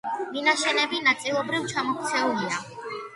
მინაშენები ნაწილობრივ ჩამოქცეულია.